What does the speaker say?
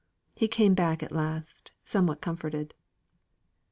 He came back at last, somewhat comforted.